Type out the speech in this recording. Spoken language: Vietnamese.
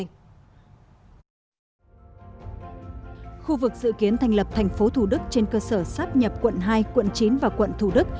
khu vực dự kiến thành lập thành phố thủ đức trên cơ sở sáp nhập quận hai quận chín và quận thủ đức